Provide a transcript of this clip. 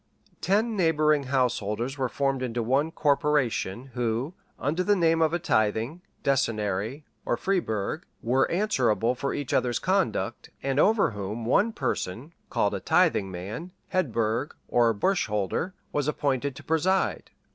Ten neighboring householders were formed into one corporation, who, under the name of a tithing, decennary, or fribourg, were answerable for each other's conduct, and over whom, one person, called a tithing man, headbourg, or borsholder, was appointed to preside.